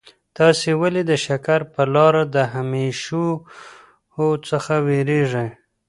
تاسي ولي د شکر پر لاره له همېشهو څخه وېرېږئ؟